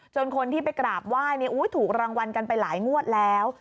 คนที่ไปกราบไหว้ถูกรางวัลกันไปหลายงวดแล้ว